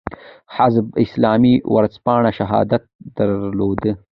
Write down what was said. حزب اسلامي ورځپاڼه "شهادت" درلوده.